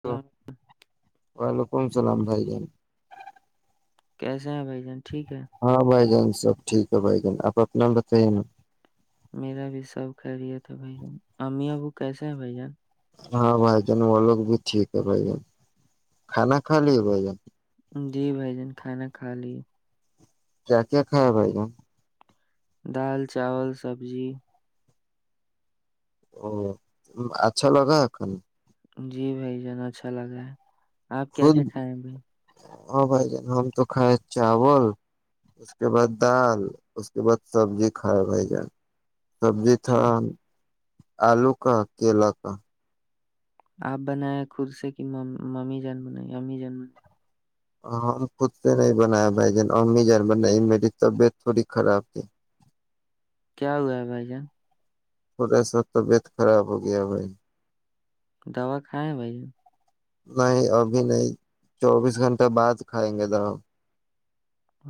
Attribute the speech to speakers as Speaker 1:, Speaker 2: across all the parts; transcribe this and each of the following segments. Speaker 1: پل [unintelligible]
Speaker 2: پنچلام جائی جان
Speaker 1: کیس [unintelligible] س بھائی جان ٹھیک ہے
Speaker 2: ہاں بھائی جان سب ٹھیک ہے بھائی گن آپ اپنا بتائیے نا
Speaker 1: میرا بھی سب خرییا تھا بھائی جان امی ابو کیسے ہیں بھائی جان
Speaker 2: ہاں بائی جان الگ بھی ٹھیک ہے بائی جان کھانا کھا لیے بائی جان
Speaker 1: جی بھائی جان کھانا کھا لی
Speaker 2: کیا کیا کھ بھائی جان
Speaker 1: دال چاول سبزی
Speaker 2: ا اچھا لگا ان
Speaker 1: جی بھائی جانا اچھا لگا ہے آپ کیا
Speaker 2: خود
Speaker 1: کیا کھائے ہیں بھائی
Speaker 2: ہاں بھائی جان ہم تو کھائے چاول اس کے بعد دال اس کے بعد سبزی کھائے بھائی جان سبزی
Speaker 1: اچھا
Speaker 2: تھان آلو کا کیلا کا
Speaker 1: آپ بناائے خود سے کہ ممی جان بنائی امی جان بنائی
Speaker 2: ہم خود سے نہیں بنایا بھائی جان امی جان بنائی میری طبیعت تھوڑی خراب تھی
Speaker 1: کیا ہوا ہے بھائی جان
Speaker 2: تھوڑا سا طبیعت خراب ہو گیا بھائی
Speaker 1: دوا کھائے ہیں بھائی
Speaker 2: نہیں ابھی نہیں چوبیس گھنٹہ بعد کھائیں گے ذرا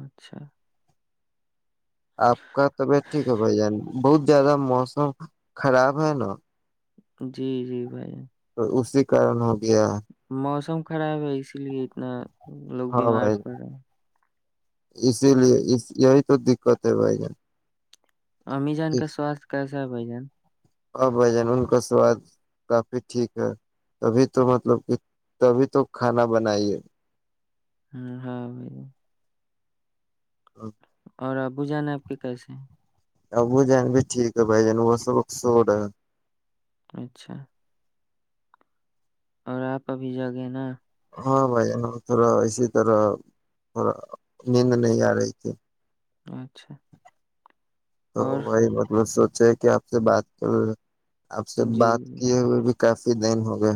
Speaker 1: اچھا [unintelligible]
Speaker 2: آپ کا طبیعت ٹھیک ہے بھائی جان بہت زیادہ موسم خراب ہے نا
Speaker 1: جی جی بھائی
Speaker 2: تو اسی کارن ہو گیا
Speaker 1: موسم خراب ہے اسی لیے اتنا لوگ
Speaker 2: ہاں
Speaker 1: بیمار
Speaker 2: بھائی
Speaker 1: پڑ رہے ہیں
Speaker 2: اسی لیے یہی تو دقت ہے بائی گ
Speaker 1: امیزان کا سوستھ کیسا ہے بھ جان
Speaker 2: ا بھ جان ان کا سواد کافی ٹھیک ہے تبھی تو مطلب کہ تبھی تو کھانا بنا ہیے
Speaker 1: ہ ہاں ب [unintelligible]
Speaker 2: ا [unintelligible]
Speaker 1: اور ابو جانا ہے آپ کے کیسے ہیں
Speaker 2: ابو جین بھی ٹھیک ہے بھائی جان وہ سب سور ہے
Speaker 1: اچھا اور آپ ابھی جاگے نا
Speaker 2: ہاں بھائی تھوڑا ایسی طرح تھوڑا نیند نہیں آ رہے تھ
Speaker 1: اچھا
Speaker 2: تو
Speaker 1: اور
Speaker 2: وہی بات میں سوچ ھ کہ آپ سے بات کر رہے ہیں آپ سے
Speaker 1: جی
Speaker 2: بات کیے ہوئے بھی کافی دن ہو گئے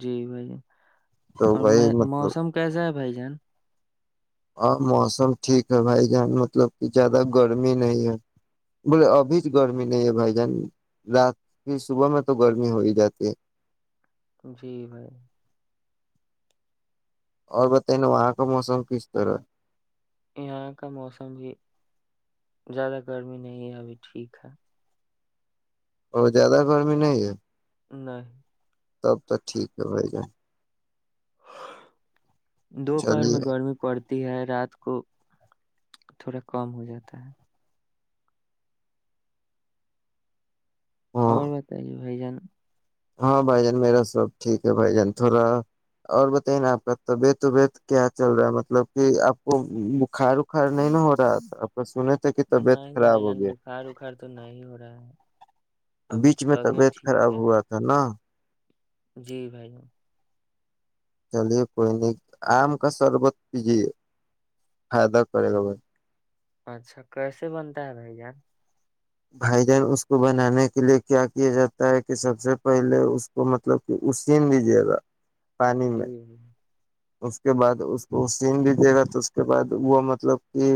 Speaker 1: جی بھائی
Speaker 2: تو
Speaker 1: اور
Speaker 2: وہی
Speaker 1: میں
Speaker 2: مطلب
Speaker 1: موسم کیسا ہے بھائی جان
Speaker 2: ہاں موسم ٹھیک ہے بھائی جان مطلب کہ زیادہ گرمی نہیں ہے بولے ابھی گرمی نہیں ہے بھائی جان رات کی صبح میں تو گرمی ہو ہی جاتی ہے
Speaker 1: جی بھائی
Speaker 2: اور بتائ نا وہاں کا موسم کی اس طر ہے
Speaker 1: یہاں کا موسم بھی زیادہ گرمی نہیں ہے ابھی ٹھیک ہے
Speaker 2: اور زیادہ گرمی نہیں ہے
Speaker 1: نہیں
Speaker 2: تب تو ٹھیک ہے بھائی جان
Speaker 1: دوپہر
Speaker 2: چلیے
Speaker 1: میں گرمی پڑتی د ہے رات کو تھوڑا کم ہو جاتا ہے
Speaker 2: ہاں
Speaker 1: اور بتائیے بھائی جان
Speaker 2: ہاں بھائی جان میرا سب ٹھیک ہے بھائی جان تھوڑا اور بتائیے نا آپ کا طبیعت وبیعت کیا چل رہا ہے مطلب کہ آپ کو کھاڑ اکھھاڑ نہیں ن ہو رہا تھا ا سنے تھے کہ
Speaker 1: نہیں
Speaker 2: طبیعت خراب
Speaker 1: بھائی
Speaker 2: ہو
Speaker 1: جان
Speaker 2: گیا
Speaker 1: بخار اخار تو نہیں ہو رہا ہے ابھی
Speaker 2: بیچ
Speaker 1: تو
Speaker 2: میں طبیعت
Speaker 1: ٹھیک
Speaker 2: خراب
Speaker 1: ہے
Speaker 2: ہوا تھا نا
Speaker 1: جی بھائی
Speaker 2: چلیے کوئی نہیں آم کا شربت پیجیے فائدہ کرے گا بھائی
Speaker 1: اچھا کیسے بنتا ہے بھائی جان
Speaker 2: بھائی جان اس کو بنانے کے لئے کیا کیا جاتا ہے کہ سب سے پہلے اس کو مطلب کہ اسین دیجیے گا پانی
Speaker 1: جی
Speaker 2: میں
Speaker 1: جی
Speaker 2: اس کے بعد اس کو سین دیجیے گا تو اس کے بعد وہ مطلب کہ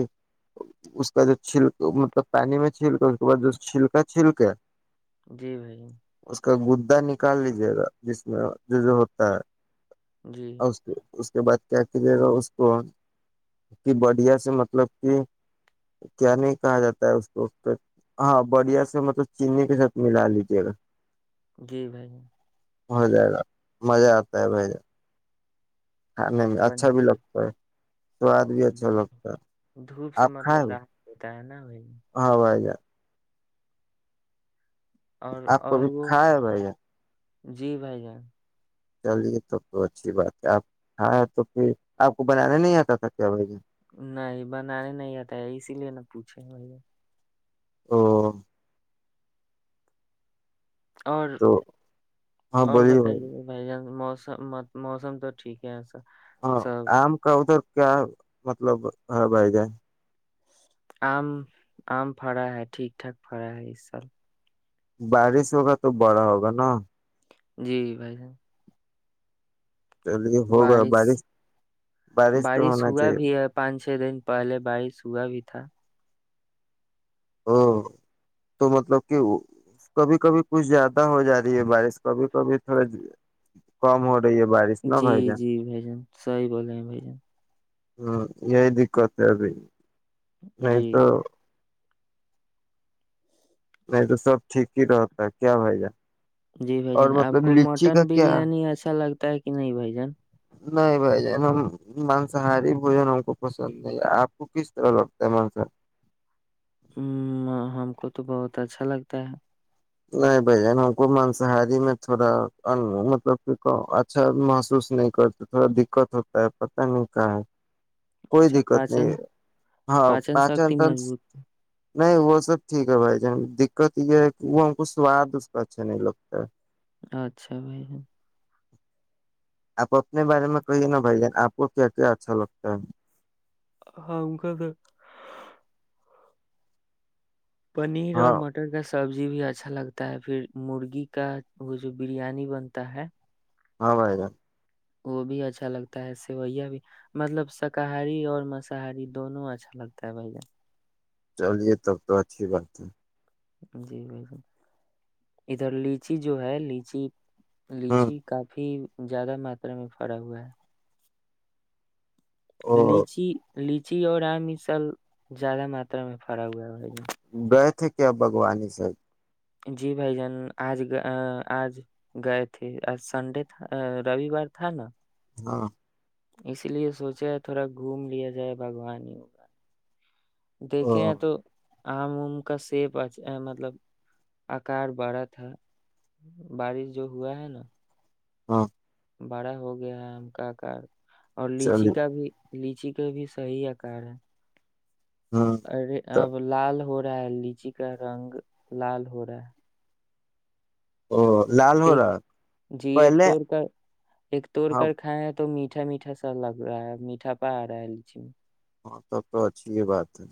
Speaker 2: اس کا جو چھلک مطلب پانی میں چھیلک اس کے بعد جو چھلکا چھلک
Speaker 1: جی بھائی
Speaker 2: اس کا گدا نکال لیجیے گا جس میں جو جو ہوتا ہے
Speaker 1: جی
Speaker 2: اور اس کے بعد کیا کیجے گا اس کو کہ بڑھیا سے مطلب کہ کیا نہیں کہا جاتا ہے اس کو ہاں بڑھیا سے مطلب چینی کے ساتھ ملا لیجیے گا
Speaker 1: جی بھائی
Speaker 2: ہو جائے گا مزہ آتا ہے بھائی جان کھانے میں
Speaker 1: بن
Speaker 2: اچھا
Speaker 1: جائے
Speaker 2: بھی
Speaker 1: گا
Speaker 2: لگتا ہے سواد بھی اچھا
Speaker 1: جی
Speaker 2: لگتا ہے
Speaker 1: دھوپ سے
Speaker 2: آپ کھائے
Speaker 1: مطلب ر
Speaker 2: ہو؟
Speaker 1: ت نا ہو
Speaker 2: ہاں وائی جائے
Speaker 1: اور
Speaker 2: آپ کو
Speaker 1: اور
Speaker 2: بھی
Speaker 1: وہ
Speaker 2: کھا ہے بھائی
Speaker 1: جی بھائی جان
Speaker 2: چلیے تو تو اچھی بات ہے آپ ہاں تو پھر آپ کو بنانا نہیں آتا تھا کیا بھ
Speaker 1: نہیں بنانے نہیں آتا ہے اسی لیے نہ پوچھے ب
Speaker 2: [unintelligible]
Speaker 1: اور
Speaker 2: تو ہاں
Speaker 1: اور
Speaker 2: بولیے
Speaker 1: بتائیےے بھائی جان مو م موسم تو ٹھیک ہےسر
Speaker 2: ہاں آم کا ادھر کیا مطلب ہے بھائی جائے
Speaker 1: آم آم پھڑا ہے ٹھیک ٹھاک پڑا ہے اس سال
Speaker 2: بارش ہوگا تو بڑا ہوگا نا
Speaker 1: جی بھائی صاح
Speaker 2: چلیے ہوگا
Speaker 1: بارش
Speaker 2: تو
Speaker 1: بارش
Speaker 2: ہونا
Speaker 1: ہوا
Speaker 2: چاہیے
Speaker 1: بھی ہے پانچ چھ دن پہلے بارش ہوا بھی [unintelligible]
Speaker 2: ا تو مطلب کہ کبھی کبھی کچھ زیادہ ہو جا رہی ہے بارش کبھی کبھی تھوڑا کم ہو رہی ہے بارش نہ
Speaker 1: جی
Speaker 2: بھائی جان
Speaker 1: جی بھ جان سی بول رہے ہیں بھ جان
Speaker 2: ہاں یہی دقت ہے ابھی نہیں
Speaker 1: جی
Speaker 2: تو نہیں تو سب ٹھیک ہی رہتا ہے کیا بھائی جان
Speaker 1: جی بھائی
Speaker 2: اور
Speaker 1: جان آپ
Speaker 2: مطلب
Speaker 1: کو
Speaker 2: لچی کا
Speaker 1: مٹن
Speaker 2: کیا
Speaker 1: بریانی اچھا لگتا تا ہے کہ نہیں بائی جان
Speaker 2: نہیں بھائی ج مانساہاری بوجن ہم کو پسند نہیں ہے آپ کو کس طرح لگتا ہے مانسار
Speaker 1: ہ ہم کو تو بہت اچھا لگتا ہے
Speaker 2: نہیں بھ ج ہم کو مانساہاری میں تھوڑا مطلب اچھا محسوس نہیں کرتے تھوڑا دقت ہوتا ہے پت نہیں کیا ہے کوئی
Speaker 1: اچھا
Speaker 2: دقت نہیں
Speaker 1: پاچن
Speaker 2: ہاں
Speaker 1: پاچن
Speaker 2: پچن
Speaker 1: شکتی
Speaker 2: ت
Speaker 1: مضبوط
Speaker 2: نہیں وہ سب ٹھیک ہے بھائی جان دقت یہ ہے وہ ہم کو سواد اس کا اچھا نہیں لگتا
Speaker 1: اچھا بھائی
Speaker 2: آپ اپنے بارے میں کہیے نا بھائی جان آپ کو کیا کیا اچھا لگتا ہے
Speaker 1: ہاں ا کا تو پنیر
Speaker 2: ہاں
Speaker 1: اور مٹر کا س سبزی بھی اچھا لگتا ہے پھر مرغی کا وہ جو بریانی بنتا ہے
Speaker 2: ہاں بائے جا
Speaker 1: وہ بھی اچھا لگتا ہے سویا بھی مطلب شاکاہاری اور مساہاری دونوں اچھا لگتا ہے بھائی جان
Speaker 2: چلیے تب تو اچھی بات ہے
Speaker 1: جی بائی ادھر لیچی جو ہے لیچی
Speaker 2: ہ
Speaker 1: لیچی کافی زیادہ ماترا میں پڑا ہوا ہے
Speaker 2: وہ
Speaker 1: لچی لچی اور آم اس سب زیادہ ماترا میں پھرا ہوا ہے
Speaker 2: گئے تھے کیا بھگوانی صاحب
Speaker 1: جی بھائی جان آج آج گئے تھے آج سنڈے تھا رووار تھا نا
Speaker 2: ہاں
Speaker 1: اس لیے سوچے تھوڑا گھوم لیا جائے باگوانی ہو کا
Speaker 2: او
Speaker 1: دیکھے ہیں تو آم ام کا سیب مطلب آکار بڑا تھا بارش جو ہوا ہے نا
Speaker 2: ہاں
Speaker 1: بڑا ہو گیا ہے ہم کہ کر اور لچی
Speaker 2: چلیے
Speaker 1: کا بھی لیچی کا بھی صحی آکار ہے
Speaker 2: ہاں
Speaker 1: اے
Speaker 2: تو
Speaker 1: اب لال ہو ا لیچی کا رنگ لال ہو رہا ہے
Speaker 2: او لال ہو
Speaker 1: ایک
Speaker 2: رہا
Speaker 1: جی ایک
Speaker 2: پہلے
Speaker 1: توڑ کر ایک توڑ
Speaker 2: ہاں
Speaker 1: کر کھائائے تو میٹ میٹھا میٹھا سا لگ رہا ہے میھا پا آ رہا ہے لچی میں
Speaker 2: ہاں سب تو اچھی یہ بات ہے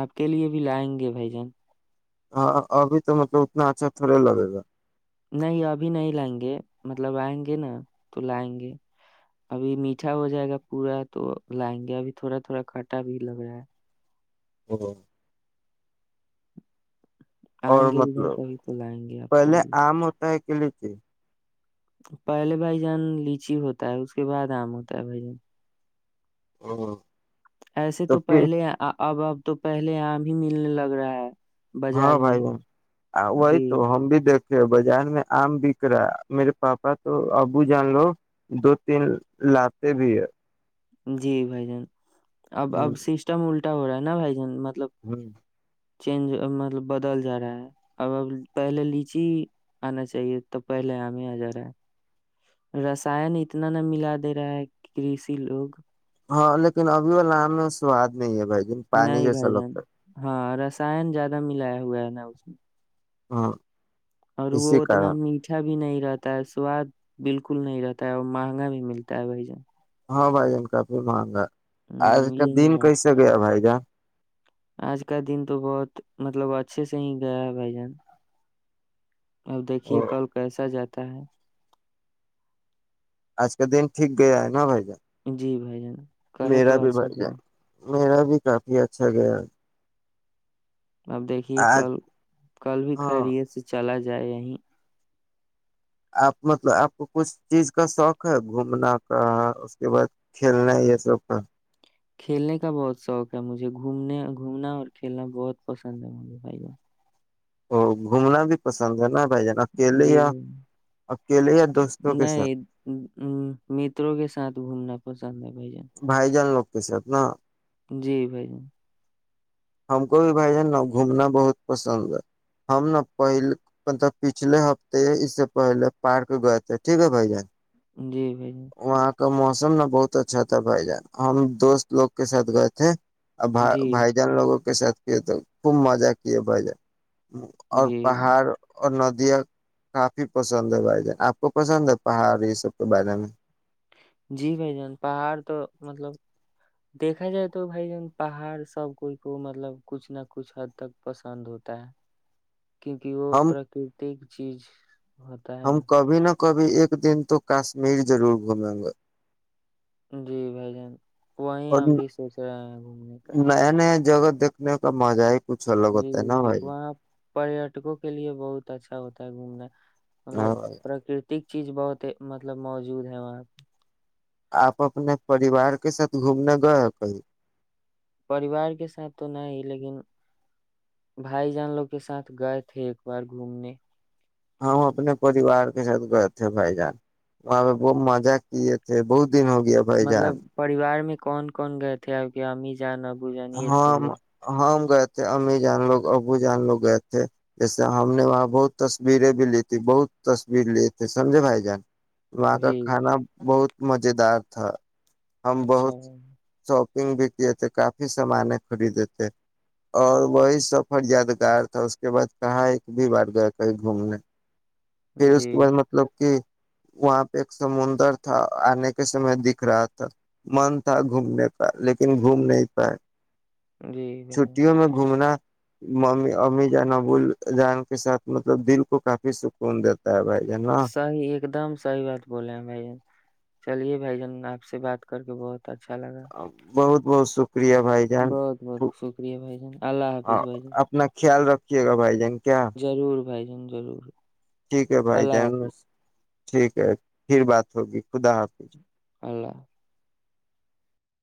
Speaker 1: آپ کے لیے بھی لائیں گے بھائی جان
Speaker 2: ہاں ابھی تو مطلب اتنا اچھا تھوڑے لگے گا
Speaker 1: نہیں ابھی نہیں لائیں گے مطلب آئیں گے نا تو لائیں گے ابھی میٹھا ہو جائے گا پورا تو لائیں گے ابھی تھوڑا تھوڑا کانٹا بھی لگ رہا ہے
Speaker 2: ہ اور
Speaker 1: آئیں گے ادھر
Speaker 2: مطلب
Speaker 1: کبھی تو لائیں گے آپ کے
Speaker 2: پہلے
Speaker 1: لیے
Speaker 2: آم ہوتا ہے کلچ
Speaker 1: پہلے بھائی جان لیچی ہوتا ہے اس کے بعد آم ہوتا ہے بھائی جان
Speaker 2: ہ
Speaker 1: ایسے تو پہلے اب اب تو پہلے آم ہی ملنے لگ رہا ہے
Speaker 2: ہاں
Speaker 1: بازار میں
Speaker 2: بھائی جن وہی
Speaker 1: جی
Speaker 2: تو ہم بھی دیکھ بازار میں آم بک رہا میرے پاپا تو ابو جان لو دو تین لاتے بھی ہے
Speaker 1: جی بھائی جان اب اب سسٹم الٹا ہو رہا ہےا بائی ج م
Speaker 2: ہوں
Speaker 1: چینج مطلب بدل جا رہا ہے اب اب پہلے لیچی آنا چاہیے تب پہلے آم آ جا رہا ہے رسائن اتنا نہ ملا دے رہا ہے کرسی لوگ
Speaker 2: ہاں لیکن ابھی والا آم میں سواد نہیں ہے بھ ج پانی جیسا لگتا
Speaker 1: سان زیادہ ملایا ہوا ہے نا اس میں
Speaker 2: ہ
Speaker 1: اور وہ
Speaker 2: اسی
Speaker 1: اتنا
Speaker 2: کارن
Speaker 1: میٹھا بھی نہیں رہتا ہے سواد بالکل نہیں رہتا ہے اور مہنگا بھی ملتا ہے بھائی جن
Speaker 2: ہاں بھائی جن کا بھی مہنگا آج
Speaker 1: ہوں،
Speaker 2: کا
Speaker 1: یہی
Speaker 2: دن
Speaker 1: بات
Speaker 2: کیسے گیا بھائی جان
Speaker 1: آج کا دن تو بہت مطلب اچھے سے ہی گیا ہے بھائی جان اب دیکھیے کل کیسا جاتا تا ہے
Speaker 2: آج کا دن ٹھیک گیا ہے نا بھائی جان
Speaker 1: جی بھائی جان کہے
Speaker 2: میرا
Speaker 1: تو
Speaker 2: بھی
Speaker 1: اچھا
Speaker 2: بر
Speaker 1: کیا
Speaker 2: جائے
Speaker 1: ہے۔
Speaker 2: میرا بھی بھی کافی اچھا گیا
Speaker 1: اب دیکھیے
Speaker 2: آج
Speaker 1: کل کل بھی
Speaker 2: ہاں
Speaker 1: خریی ہے سے چلا جائے جائے یہیں
Speaker 2: آپ مطلب آپ کو کچھ چیز کا شوق ہے گھومنا کا اس کے بعد کھیلنا یہ شوق کا
Speaker 1: کھیلنے کا بہت شوق ہے مجھے گھومنے گھومنا اور کھیلنا بہت پسند ہے مجھے بھائی جان
Speaker 2: ا گھومنا بھی پسند ہے نا بھائی جان اکیلے
Speaker 1: جی
Speaker 2: یا اکیلے یا
Speaker 1: ب
Speaker 2: دوستوں کے ساتھ
Speaker 1: نہیں متروں کے ساتھ گھومنا پسند ہے بھائی جان
Speaker 2: کیسے اپنا
Speaker 1: جی بھائی ج
Speaker 2: ہم کو بھی بھائی جان نا گھومنا بہت پسند ہے ہم نا پہل مطلب پچھلے ہفتے اس سے پہلے پارک گئے تھے ٹھیک ہے بھائی جان
Speaker 1: جی بھائی ج
Speaker 2: وہاں کا موسم نا بہت اچھا تھا بھائی جان ہم دوست لوگ کے ساتھ گئے تھے ب
Speaker 1: جی
Speaker 2: بائی لوگوں کے ساتھ کیے تو خوب مزہ کیے بھائی جان اور
Speaker 1: جی
Speaker 2: پہاڑ اور ندی دیا کافی پسند ہے بھائی جان آپ کو پسند ہے پہاڑ یہ سب کے بارے میں
Speaker 1: جی بھائی جان پہاڑ تو مطلب دیکھا جائے تو بھائی جان پہاڑ سب کوئی کو مطلب کچھ نہ کچھ حد تک پسند ہوتا ہے کیونکہ وہ
Speaker 2: ہم
Speaker 1: پراکرتک چیز ہوتا ہے
Speaker 2: ہم
Speaker 1: نا
Speaker 2: کبھی نہ کبھی ایک دن تو کاشمیر ضرور گھومیں گا
Speaker 1: جی بھائی جان وہی
Speaker 2: اور
Speaker 1: ہم بھی سوچ رہے ہیں گھومنے کا
Speaker 2: نیا نیا جگہ دیکھنے کا مزہ ہے کچھ ال الگ ہوتا ہے نا
Speaker 1: جی وہاں پریٹکوں کے لیے بہت اچھا ہوتا ہے گھومنا مطلب
Speaker 2: ہاں بھائی
Speaker 1: پراکرتک چیز بہت مطلب موجود ہے وہاں پہ
Speaker 2: آپ اپنے پریوار کے ساتھ گھومنے گئے کہیں
Speaker 1: پریوار کے ساتھ تو نہ ہی لیکن بھائی جان لوگ کے ساتھ گئے تھے ایک بار گھومنے
Speaker 2: ہم اپنے پریوار کے ساتھ گئے تھے بھائی جان وہاں پہ بہت مزہ کیے تھے بہت دن ہو گیا بھائی جان
Speaker 1: مطلب پریوار میں کون کون گئے تھے آپ کے اامز جانا بوجان یہ سب
Speaker 2: ہم
Speaker 1: لوگ
Speaker 2: ہم گئے تھے امی جان لوگ ابو جان لوگ گئے تھے جیسے ہم نے وہاں بہت تصویریں بھی لی تھی بہت تصویر لیے تے سمجھے بھائی جان وہاں کا
Speaker 1: جی
Speaker 2: کھانا بہت مز دار تھا ہم
Speaker 1: اچھا
Speaker 2: بہت
Speaker 1: بھائی
Speaker 2: شوق پنگ بھیتی تھ کا سامان خریدے تھے اور وہی سفر یادگار تھا اس کے بعد کہاں ایک بھی بار گیا کہیں گھومنے پھر
Speaker 1: جان۔
Speaker 2: اس کے
Speaker 1: جی
Speaker 2: بعد مطلب کہ وہاں پہ ایک سمندر تھا آنے کے سمے دکھ رہا تھا من تھا گھومنے کا لیکن گھوم نہیں ب [unintelligible]
Speaker 1: جی بھائی جان
Speaker 2: چھٹیوں میں گھومنا م امی جان ابوال جان کے ساتھ مطلب دل کو کافی سکون دیتا ہے بھائی جان نا
Speaker 1: سی ایک دم سحی بات بولے ہیں بھائی چلیے بھائی جان آپ سے بات کر کے بہت اچھاء لگا
Speaker 2: بہت بہت س شکریہ بھائی جان
Speaker 1: بہت بہت شکریہ بھائی جان اللہ حافظ بھائی جان
Speaker 2: اپنا خیال رکھ کے گا بائی جائ گ
Speaker 1: ضرور بھائی جن ضرور
Speaker 2: ٹھیک ہے بھائی
Speaker 1: اللہ
Speaker 2: جان گا
Speaker 1: حافظ
Speaker 2: ٹھیک ہے پھر بات ہوگی خدا حافظ
Speaker 1: اللہ